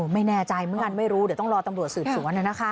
ไม่แน่ใจเหมือนกันไม่รู้เดี๋ยวต้องรอตำรวจสืบสวน